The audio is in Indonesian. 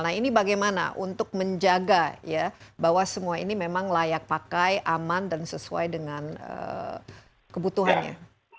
nah ini bagaimana untuk menjaga ya bahwa semua ini memang layak pakai aman dan sesuai dengan kebutuhannya